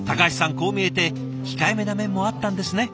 こう見えて控えめな面もあったんですね。